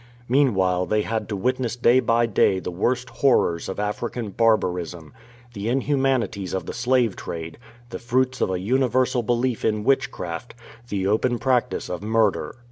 Meanwhile they had to witness day by day the worst horrors of African barbarism — the inhumanities of the slave trade, the fruits of a universal belief in witchcraft, the open practice of murder.